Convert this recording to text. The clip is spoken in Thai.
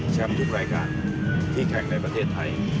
ทุกรายการที่แข่งในประเทศไทย